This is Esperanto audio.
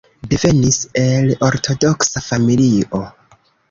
Devenis el ortodoksa familio.